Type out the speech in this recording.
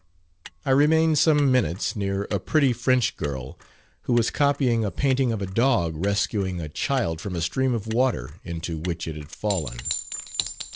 I remained some minutes near a pretty French girl, who was copying a painting of a dog rescuing a child from a stream of water into which it had fallen.